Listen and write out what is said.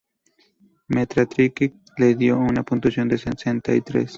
Metacritic le dio una puntuación de sesenta y tres.